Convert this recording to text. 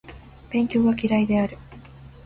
勉強が嫌いである